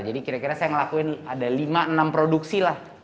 jadi kira kira saya ngelakuin ada lima enam produksi lah